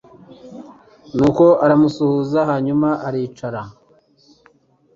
nuko aramusuhuza hanyuma aricara